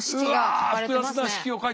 うわ複雑な式を書いて。